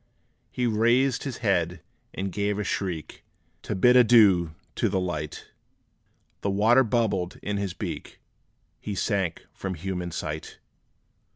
He raised his head, and gave a shriek, To bid adieu to light: The water bubbled in his beak He sank from human sight!